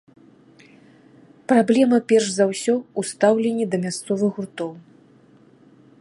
Праблема перш за ўсё ў стаўленні да мясцовых гуртоў.